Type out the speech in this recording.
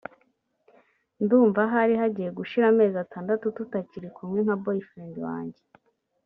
”Ndumva ahari hagiye gushira amezi atandatu tutakiri kumwe nka boyfriend wanjye